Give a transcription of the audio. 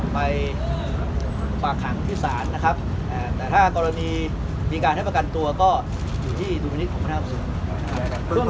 ไปฝากขังที่ศาลนะครับแต่ถ้ากรณีมีการให้ประกันตัวก็อยู่ที่ดุลพินิษฐของพนักงานส่วน